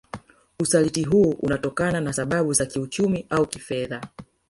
Usaliti huu hunatokana na sababu za kiuchumi au kifedha